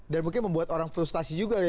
dan mungkin membuat orang frustasi juga ya